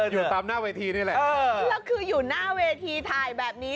อยู่ตามหน้าเวทีนี่แหละเออแล้วคืออยู่หน้าเวทีถ่ายแบบนี้